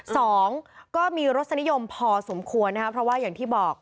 สองก็มีรสนิยมพอสมควรนะครับเพราะว่าอย่างที่บอก